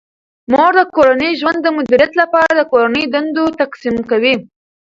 مور د کورني ژوند د مدیریت لپاره د کورني دندو تقسیم کوي.